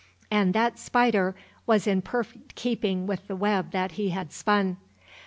And that spider was in perfect keeping with the web that he had spun.